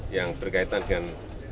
yang berkaitan dengan